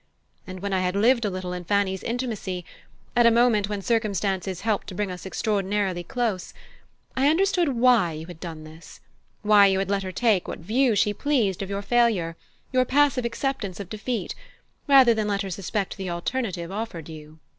And when I had lived a little in Fanny's intimacy at a moment when circumstances helped to bring us extraordinarily close I understood why you had done this; why you had let her take what view she pleased of your failure, your passive acceptance of defeat, rather than let her suspect the alternative offered you.